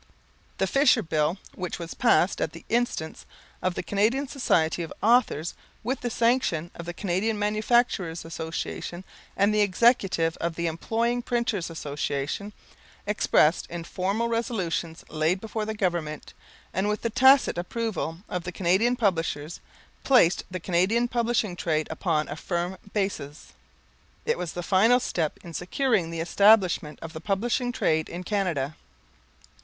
The Fisher Bill, which was passed at the instance of the Canadian Society of Authors with the sanction of the Canadian Manufacturers' Association and the Executive of the Employing Printers' Association, expressed in formal resolutions laid before the Government, and with the tacit approval of the Canadian publishers, placed the Canadian publishing trade upon a firm basis. It was the final step in securing the establishment of the Publishing Trade in Canada.